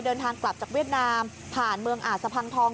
เดินทางกลับจากเวียดนามผ่านเมืองอ่าสะพังทอง